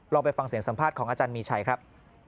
ไปฟังเสียงสัมภาษณ์ของอาจารย์มีชัยครับ